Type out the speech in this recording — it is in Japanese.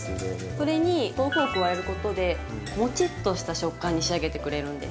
それに豆腐を加えることでもちっとした食感に仕上げてくれるんです。